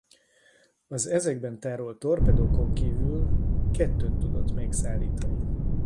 Az ezekben tárolt torpedókon kívül kettőt tudott még szállítani.